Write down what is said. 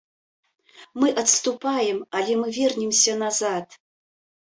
Мы адступаем, але мы вернемся назад.